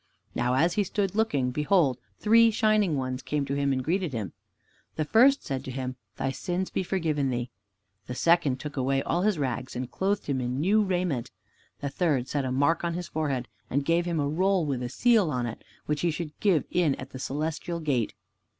Now as he stood looking, behold three Shining Ones came to him and greeted him. The first said to him, "Thy sins be forgiven thee." The second took away all his rags and clothed him in new raiment. The third set a mark on his forehead and gave him a roll with a seal on it, which he should give in at the Celestial Gate.